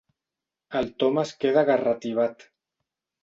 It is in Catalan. El Tom es queda garratibat.